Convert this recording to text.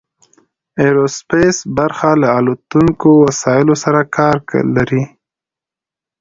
ایرو سپیس برخه له الوتونکو وسایلو سره کار لري.